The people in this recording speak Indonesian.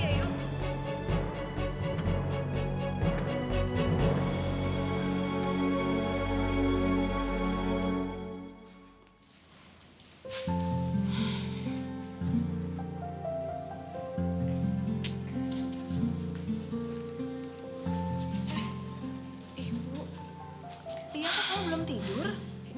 ibu liat aku belum tidur